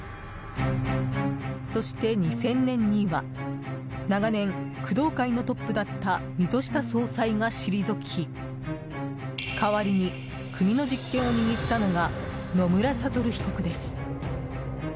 そして２０００年には長年、工藤会のトップだった溝下総裁が退き代わりに組の実権を握ったのが野村悟被告です。